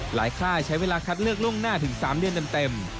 ค่ายใช้เวลาคัดเลือกล่วงหน้าถึง๓เดือนเต็ม